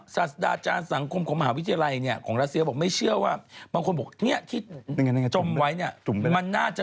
ศาสดาจารย์สังคมของมหาวิทยาลัยเนี่ยของรัฐเสียบอกไม่เชื่อว่า